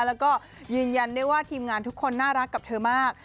แล้วก็ยืนยันได้ว่าทีมงานทุกคนน่ารักกับเธอมาก